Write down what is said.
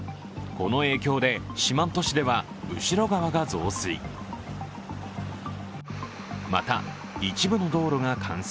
この影響で四万十市では後川が増水。